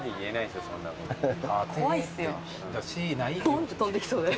ボンって飛んできそうで。